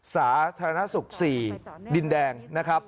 สาธารณสุขศรีดินแดง